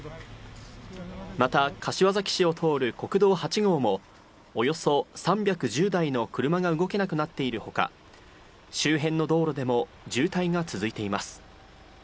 また、柏崎市を通る国道８号もおよそ３１０台の車が動けなくなっているほか、周辺の道路でも渋滞が続いています。